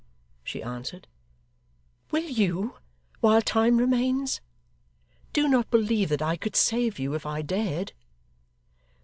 she answered. 'Will you, while time remains? Do not believe that I could save you, if I dared.